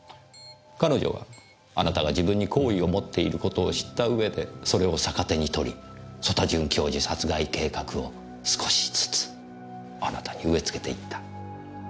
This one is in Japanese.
彼女はあなたが自分に好意を持っていることを知ったうえでそれを逆手に取り曽田准教授殺害計画を少しずつあなたに植えつけていった。